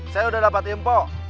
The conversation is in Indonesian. saya udah dapat info